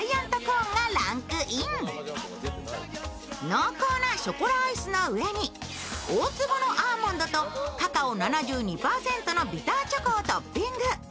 濃厚なショコラアイスの上に大粒のアーモンドとカカオ７２％のビターチョコをトッピング。